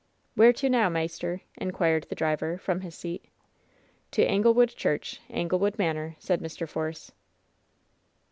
"Where to now, maister ?" inquired the driver, from his seat. "To Anglewood Church, Anglewood Manor," said Mr. Force.